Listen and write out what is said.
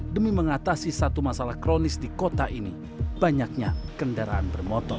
demi mengatasi satu masalah kronis di kota ini banyaknya kendaraan bermotor